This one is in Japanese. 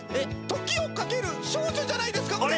『時をかける少女』じゃないですか。